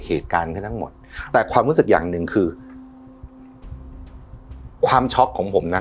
เหตุการณ์ก็ทั้งหมดแต่ความรู้สึกอย่างหนึ่งคือความช็อกของผมนะ